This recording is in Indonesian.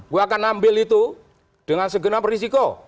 gue akan ambil itu dengan segenap risiko